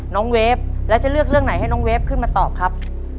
เวฟแล้วจะเลือกเรื่องไหนให้น้องเวฟขึ้นมาตอบครับ